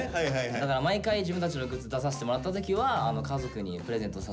だから毎回自分たちのグッズ出させてもらった時は家族にプレゼントさせてもらってますね。